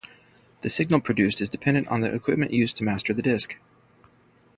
The signal produced is dependent on the equipment used to master the disc.